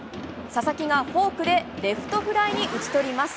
佐々木がフォークでレフトフライに打ち取ります。